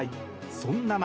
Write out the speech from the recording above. そんな中。